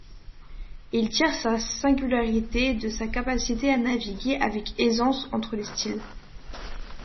Il tire sa singularité de sa capacité à naviguer avec aisance entre les styles.